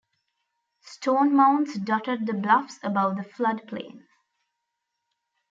Stone mounds dotted the bluffs above the floodplain.